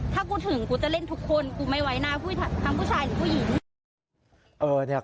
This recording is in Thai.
ถ้ากูถึงกูจะเล่นทุกคน